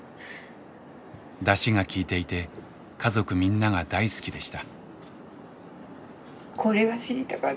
ダシが効いていて家族みんなが大好きでした。